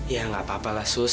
ya nggak apa apa lah sus